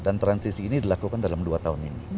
dan transisi ini dilakukan dalam dua tahun ini